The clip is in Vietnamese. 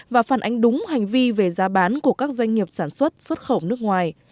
và phản ánh đúng hành vi về giá bán của các doanh nghiệp sản xuất xuất khẩu nước ngoài